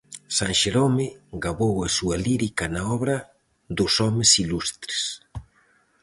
San Xerome gabou a súa lírica na obra "Dos homes ilustres".